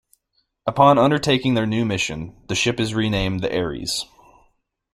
Upon undertaking their new mission, the ship is renamed the "Ares".